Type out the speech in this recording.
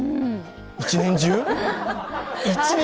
１年中！？